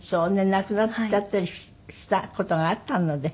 亡くなっちゃったりした事があったので。